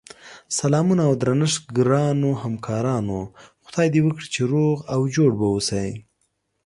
سلامونه اودرنښت ګراونوهمکارانو خدای دی وکړی چی روغ اوجوړبه اووسی